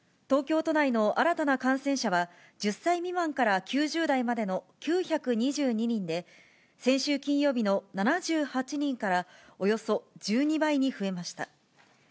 東京都内の新たな感染者は、１０歳未満から９０代までの９２２人で、先週金曜日の７８人から、およそ１２倍に増えました。